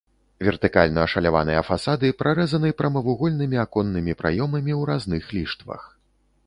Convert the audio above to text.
Вертыкальна ашаляваныя фасады прарэзаны прамавугольнымі аконнымі праёмамі ў разных ліштвах.